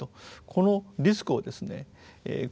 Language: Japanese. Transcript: このリスクをですね